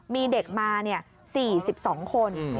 มีเด็กมาเนี่ย๔๒คน